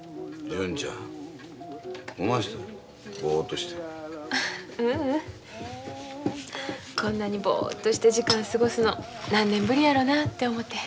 こんなにボーッとして時間過ごすの何年ぶりやろなて思て。